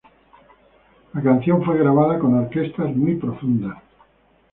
La canción fue grabada con orquestas muy profundas.